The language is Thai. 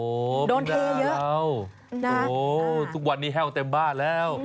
โอ้โฮวันนี้แห้วเต็มบ้านแล้ว